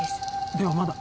・ではまだ。